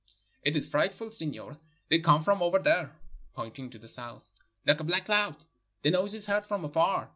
*'It is frightful, signor; they come from over there," pointing to the south, "Hke a black cloud; the noise is heard from afar.